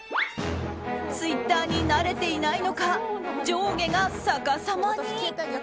ツイッターに慣れていないのか上下が逆さまに。